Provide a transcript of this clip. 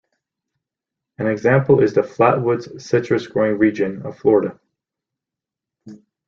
An example is the flatwoods citrus-growing region of Florida.